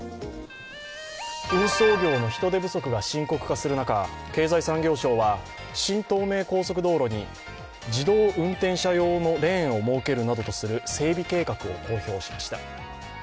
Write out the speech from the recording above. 運送業の人手不足が深刻化する中、経済産業省は新東名高速道路に自動運転車用のレーンを設けるなどとする整備計画を公表しました。